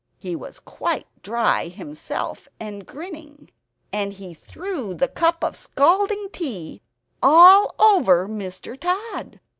He was quite dry himself and grinning; and he threw the cup of scalding tea all over Mr. Tod.